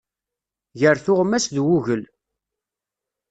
Gar tuɣmas d wugel.